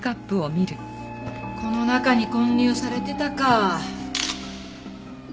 この中に混入されてたか。